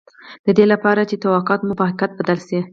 د دې لپاره چې توقعات مو په حقیقت بدل شي